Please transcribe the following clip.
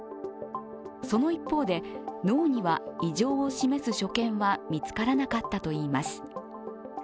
その一方で、脳には異常を示す所見は見つからなかったといいます。